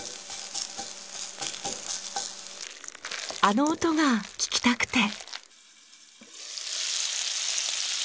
あの音が聞きたくて。